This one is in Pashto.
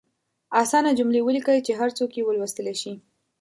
اسانه جملې ولیکئ چې هر څوک یې ولوستلئ شي.